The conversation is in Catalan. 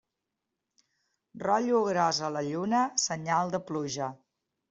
Rotllo gros a la lluna, senyal de pluja.